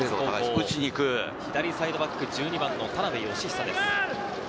左サイドバック１２番の田辺幸久です。